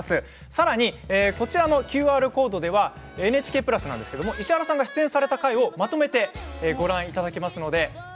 さらにこちらのＱＲコードＮＨＫプラスで石原さんが出演した回をまとめてご覧いただけます。